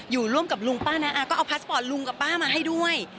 ร่วมกับลุงป้าน้าอาก็เอาพาสปอร์ตลุงกับป้ามาให้ด้วย